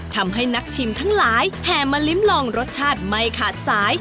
ทำให้นักชิมทั้งหลายแห่มาลิ้มลองรสชาติไม่ขาดสาย